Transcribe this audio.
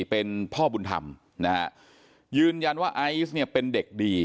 เป็นพ่อบุญธรรมนะฮะยืนยันว่าไอซ์เนี่ยเป็นเด็กดี